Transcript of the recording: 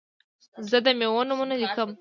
زه د میوو نومونه لیکم.